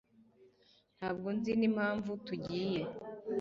Ntabwo nzi n'impamvu tugiye.